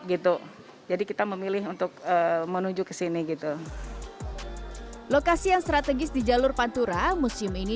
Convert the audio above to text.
gitu jadi kita memilih untuk menuju ke sini gitu lokasi yang strategis di jalur pantura museum ini